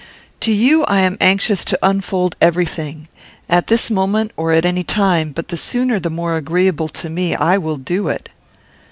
"To you I am anxious to unfold every thing. At this moment, or at any time, but the sooner the more agreeable to me, I will do it."